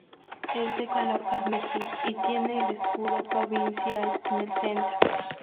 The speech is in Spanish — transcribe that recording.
Es de color carmesí y tiene el escudo provincial en el centro.